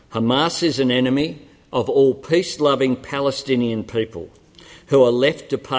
hamas adalah musuh dari semua orang orang palestina yang berkongsi kebaikan